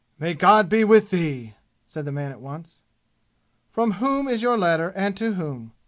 "May God be with thee!" said the man at once. "From whom is your letter, and to whom?"